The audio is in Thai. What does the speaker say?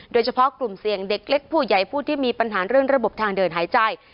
โดยเฉพาะกลุ่มเสี่ยงเด็กเล็กผู้ใหญ่ผู้ที่มีปัญหาเรื่องระบบทางเดินหายใจ